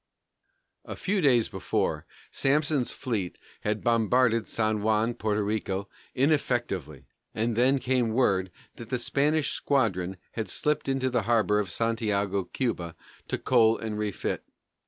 A few days before, Sampson's fleet had bombarded San Juan, Porto Rico, ineffectually, and then came word that the Spanish squadron had slipped into the harbor of Santiago, Cuba, to coal and refit.